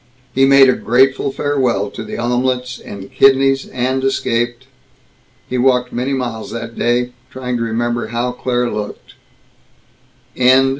He made a grateful farewell to the omelets and kidneys, and escaped. He walked many miles that day, trying to remember how Claire looked.